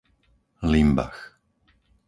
Limbach